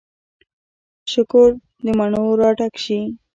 شکور د مڼو را ډک شي